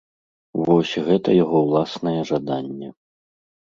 Вось, гэта яго ўласнае жаданне.